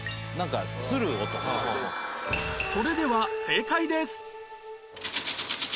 それでは正解です